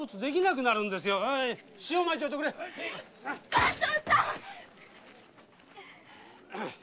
番頭さん！